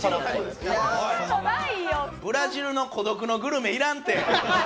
ブラジルの『孤独のグルメ』いらんて！